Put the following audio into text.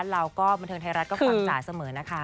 แล้วก็บรรเทิงไทยรัฐก็ฝั่งจ๋าเสมอนะคะ